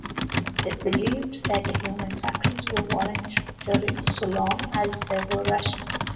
They believed that a human's actions were voluntary so long as they were rational.